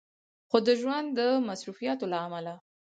خو د ژوند د مصروفياتو له عمله